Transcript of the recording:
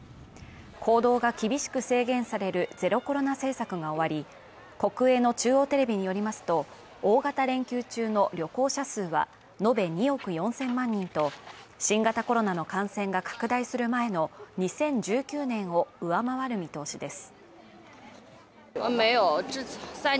行動が厳しく制限されるゼロコロナ政策が終わり国営の中央テレビよりますと大型連休中の旅行者数は延べ２億４０００万人と新型コロナの感染が拡大する前の２０１９年を上回る見通しです。